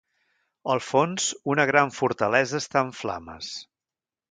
Al fons, una gran fortalesa està en flames.